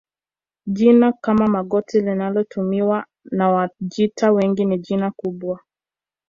Jina kama Magoti linalotumiwa na Wajita wengi ni jina kubwa